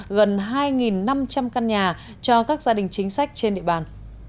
gần hai năm trăm linh căn nhà cho các gia đình chính sách trên địa bàn